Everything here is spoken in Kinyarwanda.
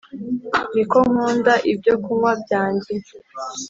Niko nkunda ibyo kunywa byange